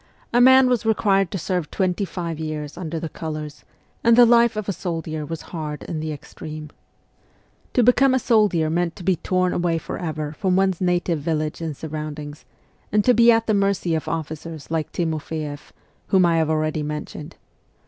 A man was required to serve twenty five years under the colours, and the life of a soldier was hard in the extreme. To become a soldier meant to be torn away for ever from one's native village and surroundings, and to be at the mercy of officers like Timofeeff, whom I have already mentioned.